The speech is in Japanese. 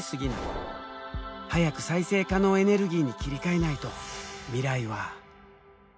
早く再生可能エネルギーに切り替えないと未来は。